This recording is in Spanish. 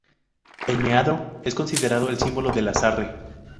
El meandro es considerado el símbolo del Sarre.